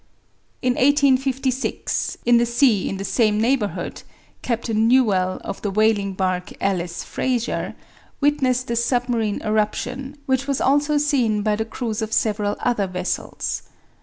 In 1856, in the sea in the same neighborhood, Captain Newell, of the whaling bark Alice Fraser, witnessed a submarine eruption, which was also seen by the crews of several other vessels.